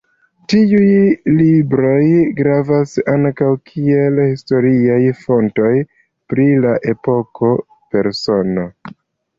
Tiuj libroj gravas ankaŭ kiel historiaj fontoj pri la epoko, persono.